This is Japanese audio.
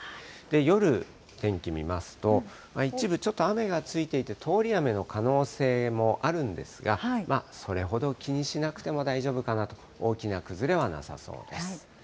夜、天気見ますと、一部、ちょっと雨がついていて、通り雨の可能性もあるんですが、それほど気にしなくても大丈夫かなと、大きな崩れはなさそうです。